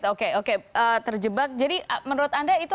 oke oke terjebak jadi menurut anda itu